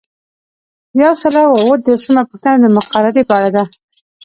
یو سل او اووه دیرشمه پوښتنه د مقررې په اړه ده.